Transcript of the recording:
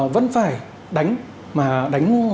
vẫn phải đánh